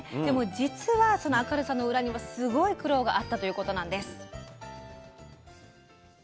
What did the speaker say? でも実はその明るさの裏にはすごい苦労があったということなんです。